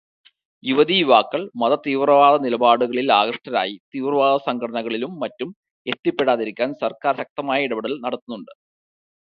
യുവതീ യുവാക്കൾ മതതീവ്രനിലപാടുകളിൽ ആകൃഷ്ടരായി തീവ്രവാദസംഘടനകളിലും മറ്റും എത്തിപ്പെടാതിരിക്കാൻ സർക്കാർ ശക്തമായ ഇടപെടൽ നടത്തുന്നുണ്ട്.